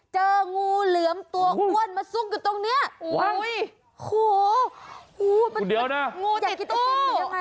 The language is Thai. เจองูเหลือมตัวอ้วนมาซุกอยู่ตรงเนี้ยโอ้โหโอ้โหเดี๋ยวนะงูติดตู้